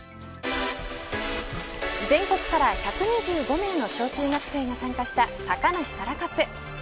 全国から１２５名の小中学生が参加した高梨沙羅カップ。